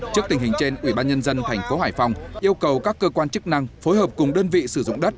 trước tình hình trên ubnd tp hải phòng yêu cầu các cơ quan chức năng phối hợp cùng đơn vị sử dụng đất